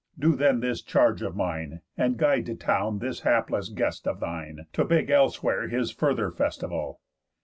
Do then this charge of mine, And guide to town this hapless guest of thine, To beg elsewhere his further festival.